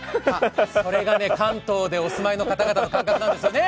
それが関東にお住まいの方々の感覚なんですよね。